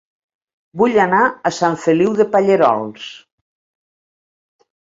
Vull anar a Sant Feliu de Pallerols